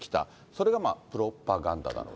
それがプロパガンダだと。